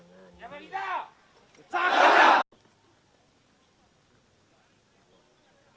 jangan kisah kisah jangan putar